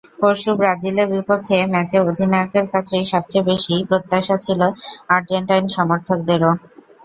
পরশু ব্রাজিলের বিপক্ষে ম্যাচে অধিনায়কের কাছেই সবচেয়ে বেশি প্রত্যাশা ছিল আর্জেন্টাইন সমর্থকদেরও।